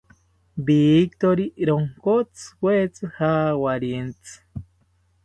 Victori ronkotziwetzi jawarintzi